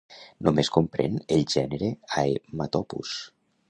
Només comprèn el gènere Haematopus.